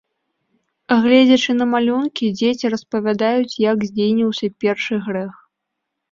Гледзячы на малюнкі, дзеці распавядаюць, як здзейсніўся першы грэх.